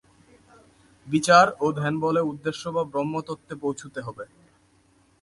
বিচার ও ধ্যানবলে উদ্দেশ্য বা ব্রহ্মতত্ত্বে পৌঁছুতে হবে।